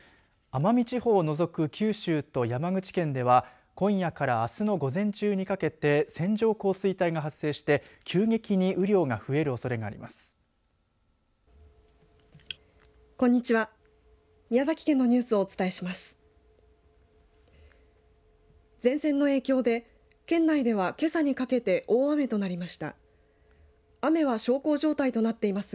奄美地方を除く九州と山口県では今夜からあすの午前中にかけて線状降水帯が発生して急激に雨量が増えるおそれがあります。